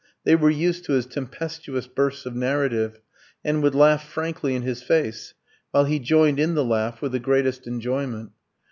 They were used to his tempestuous bursts of narrative, and would laugh frankly in his face, while he joined in the laugh with the greatest enjoyment.